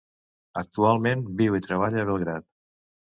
Actualment viu i treballa a Belgrad.